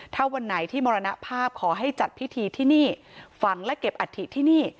ถ้าวันไหนที่มรณภาพขอให้จัดพิธีที่นี่ฝังและเก็บอัฐิที่นี่